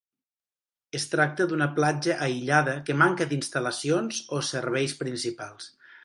Es tracta d'una platja aïllada que manca d'instal·lacions o serveis principals.